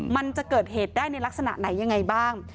มันจะเกิดเหตุได้ในลักษณะไหนยังไงบ้าง